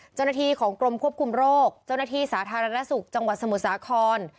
เจ้าหน้าที่ของกรมควบคุมโรคเจ้าหน้าที่สาธารณสุขจังหวัดสมุทรสาคร